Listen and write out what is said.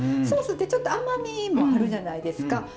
ソースってちょっと甘みもあるじゃないですか。